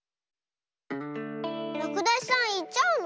らくだしさんいっちゃうの？